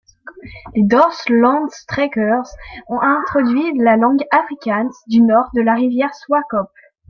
Les Dorslandtrekkers ont introduit la langue afrikaans au nord de la rivière Swakop.